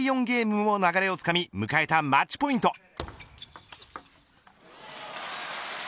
ゲームも流れをつかみ迎えたマッチポイント。